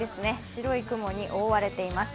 白い雲に覆われています。